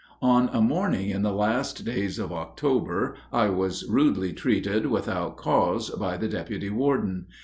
On a morning in the last days of October I was rudely treated, without cause, by the deputy warden.